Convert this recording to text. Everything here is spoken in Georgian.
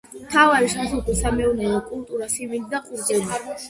მთავარი სასოფლო-სამეურნეო კულტურა სიმინდი და ყურძენი.